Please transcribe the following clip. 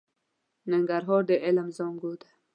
ننګرهار د علم زانګو ده.